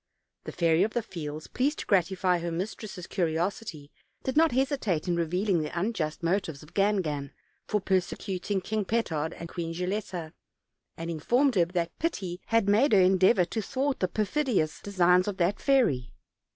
The Fairy of the Fields, pleased to gratify her mistress' curiosity, did not hesitate in revealing the unjust motives of Gan gan for persecuting King Petard and Queen Gilletta, and informed her that pity had made her endeavor to thwart the perfidious designs of that fairy.